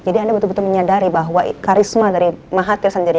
jadi anda betul betul menyadari karisma dari pak mahathir sendiri